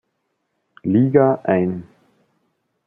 Liga ein.